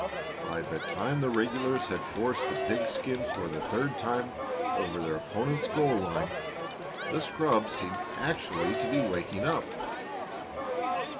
By the time the regulars had forced the pigskin for the third time over their opponent's goal line, the scrub seemed actually to be waking up.